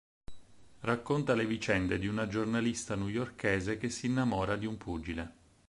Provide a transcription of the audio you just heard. Racconta le vicende di una giornalista newyorchese che si innamora di un pugile.